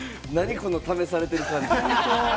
この試されてる感じ。